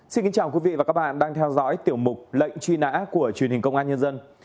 xin kính chào quý vị và các bạn đang theo dõi tiểu mục lệnh truy nã của truyền hình công an nhân dân